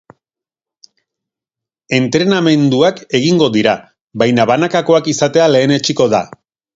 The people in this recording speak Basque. Entrenamenduak egingo dira, baina banakakoak izatea lehenetsiko da.